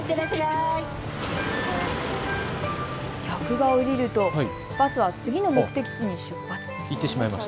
客が降りるとバスは次の目的地に出発。